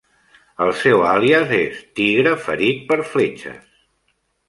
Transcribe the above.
El seu àlies és "Tigre ferit per fletxes".